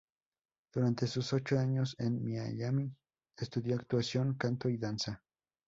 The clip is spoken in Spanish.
Durante sus ocho años en Miami estudió actuación, canto y danza.